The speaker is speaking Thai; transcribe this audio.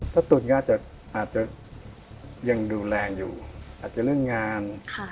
ถ้าตรวจงานอาจจะยังดูแลงอยู่อาจจะเรื่องงาน